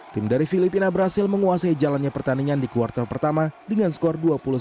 tim dari filipina berhasil menguasai jalannya pertandingan di kuartal pertama dengan skor dua puluh satu